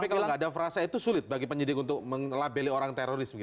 tapi kalau tidak ada frasa itu sulit bagi penyidik untuk mengelabeli orang terorisme gitu